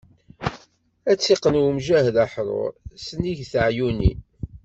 Ad tt-iqqen umjahed aḥrur, s nnig n teɛyunin.